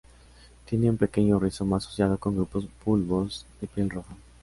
Tiene un pequeño rizoma asociado con grupos bulbos de piel roja.